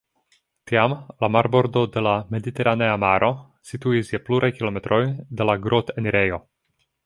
Tiam la marbordo de la Mediteranea maro situis je pluraj kilometroj de la grot-enirejo.